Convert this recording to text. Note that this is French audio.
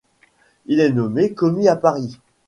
Il est nommé commis à Paris.